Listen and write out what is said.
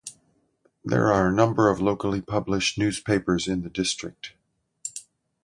There are a number of locally published newspapers in the district.